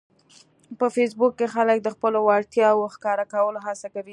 په فېسبوک کې خلک د خپلو وړتیاوو ښکاره کولو هڅه کوي